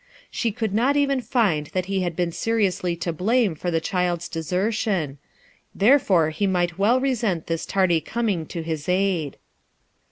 She could not even find that he had been seri ously to blame for the child's desertion; there fore he might well resent this tardy coming to his aid.